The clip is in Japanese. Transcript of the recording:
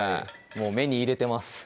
もう目に入れてます